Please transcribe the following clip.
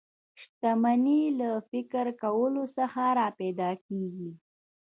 شتمني له فکر کولو څخه را پیدا کېږي